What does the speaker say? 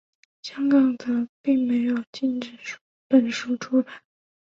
香港则并没有禁止本书出版。